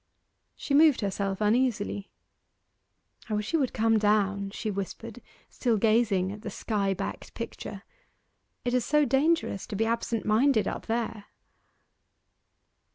She moved herself uneasily. 'I wish he would come down,' she whispered, still gazing at the skybacked picture. 'It is so dangerous to be absent minded up there.